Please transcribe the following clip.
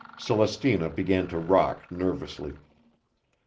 Celestina began to rock nervously.